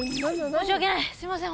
申し訳ないすいません